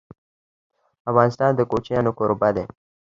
افغانستان د کوچیانو کوربه دی..